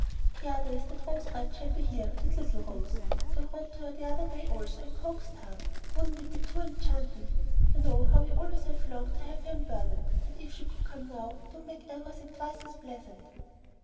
'" "The other is that Rose Red shall be here, and little Rose. I wrote to her the other day also, and coaxed hard. Wouldn't it be too enchanting? You know how we have always longed to have her in Burnet; and if she could come now it would make everything twice as pleasant."